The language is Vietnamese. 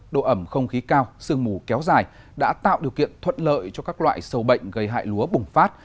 độ ẩm không khí cao sương mù kéo dài đã tạo điều kiện thuận lợi cho các loại sâu bệnh gây hại lúa bùng phát